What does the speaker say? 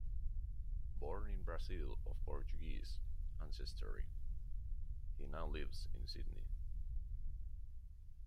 Born in Brazil of Portuguese ancestry, he now lives in Sydney.